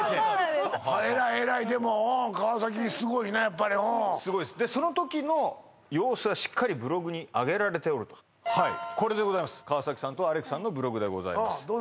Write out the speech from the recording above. えらいえらいでも川崎すごいねやっぱりすごいですその時の様子がしっかりブログにあげられておるとはいこれでございます川崎さんとアレクさんのブログでございます